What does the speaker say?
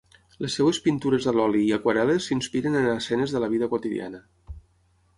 Les seves pintures a l'oli i aquarel·les s'inspiren en escenes de la vida quotidiana.